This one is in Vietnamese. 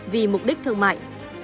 vì mục đích thương mại